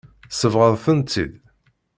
Tsebɣeḍ-tent-id.